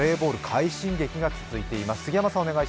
快進撃が続いています。